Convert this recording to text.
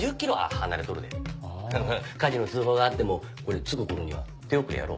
火事の通報があってもこれ着く頃には手遅れやろ？